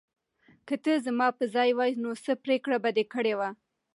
که ته زما په ځای وای، نو څه پرېکړه به دې کړې وه؟